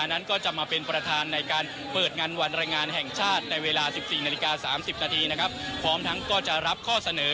นั้นก็จะมาเป็นประธานในการเปิดงานวันแรงงานแห่งชาติในเวลา๑๔นาฬิกา๓๐นาทีนะครับพร้อมทั้งก็จะรับข้อเสนอ